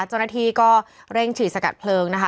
เจ้าหน้าที่ก็เร่งฉีดสกัดเพลิงนะคะ